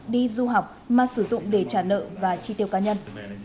đi du học mà sử dụng để trả nợ và chi tiêu cá nhân